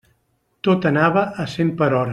Tot anava a cent per hora.